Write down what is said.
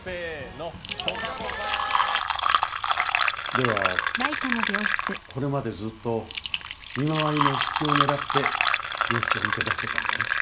ではこれまでずっと見回りの隙を狙って病室を抜け出してたんだね。